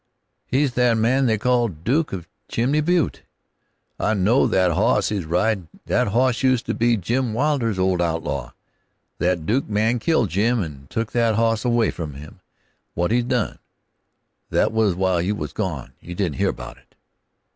"He's that man they call Duke of Chimley Butte I know that hoss he's a ridin'; that hoss used to be Jim Wilder's ole outlaw. That Duke man killed Jim and took that hoss away from him; that's what he done. That was while you was gone; you didn't hear 'bout it."